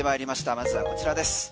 まずこちらです。